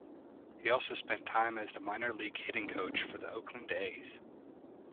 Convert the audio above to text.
He also spent time as the minor league hitting coach for the Oakland A's.